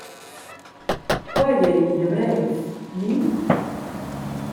Quei ei ina brev, ni?